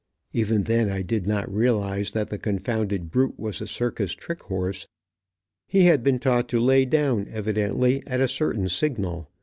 Even then I did not realize that the confounded brute was a circus trick horse. He had been taught to lay down, evidently, at a certain signal.